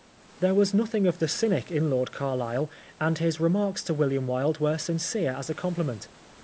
There was nothing of the cynic in Lord Carhsle, and his remarks to William Wilde were sincere as a compliment.